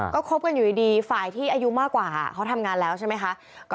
ก็คบกันอยู่ดีฝ่ายที่อายุมากกว่าเขาทำงานแล้วใช่ไหมคะ